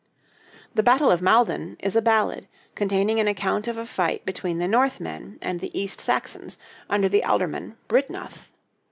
'The Battle of Maldon' is a ballad, containing an account of a fight between the Northmen and the East Saxons under the Aldorman, Byrhtnoth.